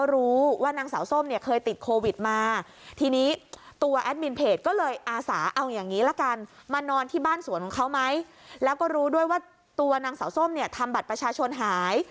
ด้วยว่าตัวนางเสาส้มเนี่ยทำบัตรประชาชนหาย